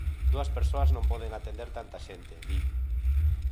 Dúas persoas non poden atender tanta xente, di.